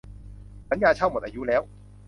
สัญญาเช่าหมดอายุแล้ว